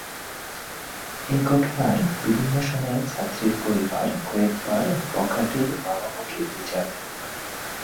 এ ঘটনায় বিভিন্ন সময়ে ছাত্রীর পরিবার কয়েকবার বখাটের বাবা মাকে বিচার দেয়।